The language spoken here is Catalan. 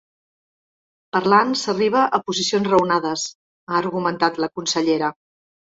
“Parlant s’arriba a posicions raonades”, ha argumentat la consellera.